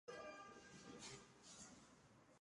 Cellular Field.